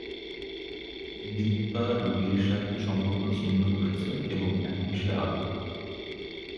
দিব্যা রবির সাথে সম্পর্ক ছিন্ন করেছে এবং এখন সে আহত।